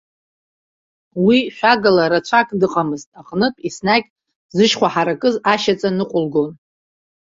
Уи шәагаала рацәак дыҟамызт аҟнытә еснагь зышьхәа ҳаракыз ашьаҵа ныҟәылгон.